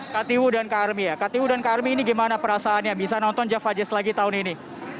katiwu dan kak armi ya kak tiwu dan kak armi ini gimana perasaannya bisa nonton java jazz lagi tahun ini